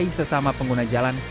mencari sesama pengguna jalan